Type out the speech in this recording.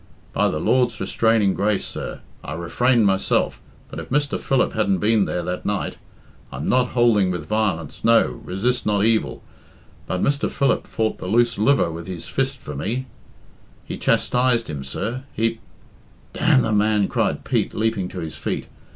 "By the Lord's restraining grace, sir, I refrained myself but if Mr. Philip hadn't been there that night I'm not hould ing with violence, no, resist not evil but Mr. Philip fought the loose liver with his fist for me; he chastised him, sir; he " "D the man!" cried Pete, leaping to his feet.